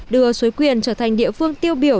đưa xuối quyền trở thành địa phương tiêu biểu